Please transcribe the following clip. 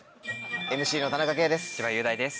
ＭＣの田中圭です。